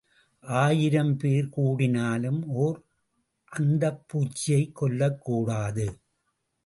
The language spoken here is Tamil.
ஆயிரம் பேர் கூடினாலும் ஓர் அந்துப்பூச்சியைக் கொல்லக் கூடாது.